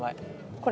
これ？